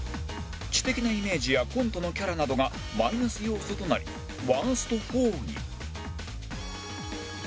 知的なイメージやコントのキャラなどがマイナス要素となりワースト４に